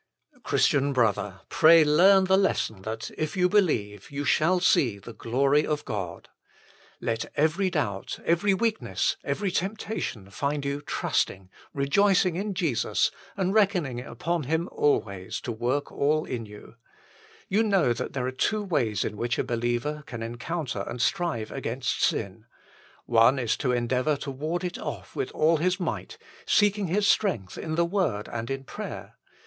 Christian brother, pray, learn the lesson that, if you believe, you shall see the glory of God. Let every doubt, every weakness, every tempta tion find you trusting, rejoicing in Jesus, and reckoning upon Hirn always to work all in HOW IT MAY BE INCREASED 119 you. You know that there are two ways in which a believer can encounter and strive against sin. One is to endeavour to ward it off with all his might, seeking his strength in the Word and in prayer.